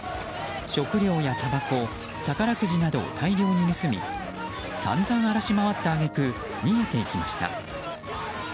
食料やタバコ宝くじなどを大量に盗み散々荒らし回った揚げ句逃げていきました。